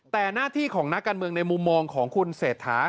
แต่หน้าที่ของนักการเมืองในมุมมองของคุณเศรษฐา